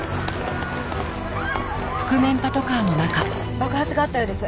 爆発があったようです。